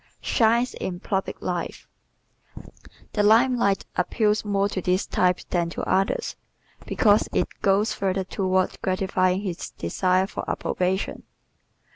Shines in Public Life ¶ The lime light appeals more to this type than to others because it goes further toward gratifying his desire for approbation.